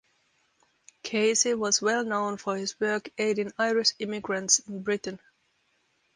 Casey was well known for his work aiding Irish emigrants in Britain.